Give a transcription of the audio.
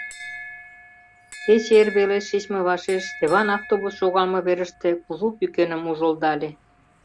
Кече эрвелеш шичме вашеш Йыван автобус шогалме верыште кужу пӱкеным ужылдале.